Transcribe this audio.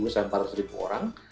sampai empat ratus orang